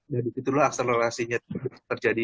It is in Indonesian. dan dikitulah akselerasinya terjadi